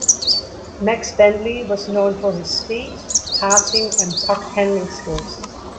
Max Bentley was known for his speed, passing and puck handling skills.